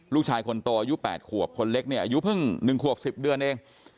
ลูกชายคนโตอายุ๘ขวบคนเล็กเนี่ยอายุเพิ่ง๑ขวบ๑๐เดือนเอง